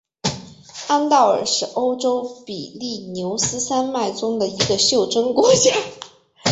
安道尔是欧洲比利牛斯山脉中的一个袖珍国家。